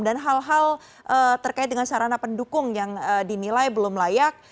dan hal hal terkait dengan sarana pendukung yang dinilai belum layak